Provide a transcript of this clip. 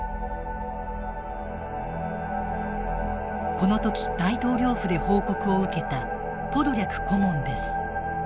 この時大統領府で報告を受けたポドリャク顧問です。